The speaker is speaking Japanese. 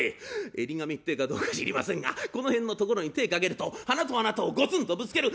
襟髪って言うかどうか知りませんがこの辺の所に手ぇかけると鼻と鼻とをゴツンとぶつける。